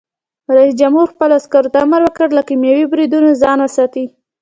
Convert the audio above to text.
رئیس جمهور خپلو عسکرو ته امر وکړ؛ له کیمیاوي بریدونو ځان وساتئ!